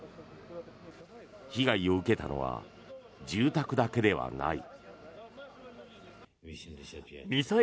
被害を受けたのは住宅だけではない。